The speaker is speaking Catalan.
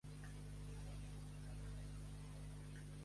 Tots tenim què oferir a Déu.